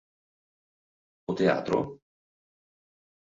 O Teatro?".